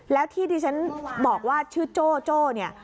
แล้วที่ที่ฉันบอกว่าชื่อโจ้โจ้เนี่ย